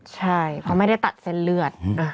ใช่เพราะไม่ได้ตัดเส้นเลือด